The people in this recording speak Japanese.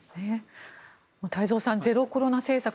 太蔵さん、ゼロコロナ政策